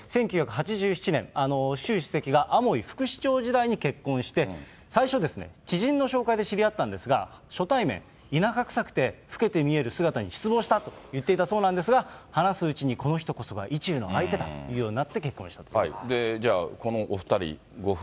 １９８７年、習主席がアモイ副首相時代に結婚して、最初、知人の紹介で知り合ったんですが、初対面、田舎臭くて老けて見える姿に失望したと言っていたそうなんですが、話すうちに、このひと言が意中の相手だと思うようになって結婚したと。